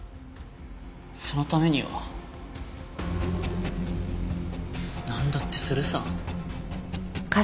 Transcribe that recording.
そのためにはなんだってするさ。